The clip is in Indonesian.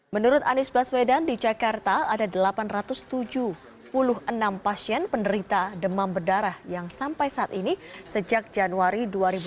menurut anies baswedan di jakarta ada delapan ratus tujuh puluh enam pasien penderita demam berdarah yang sampai saat ini sejak januari dua ribu dua puluh